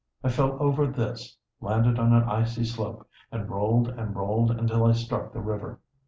I fell over this, landed on an icy slope, and rolled and rolled until I struck the river.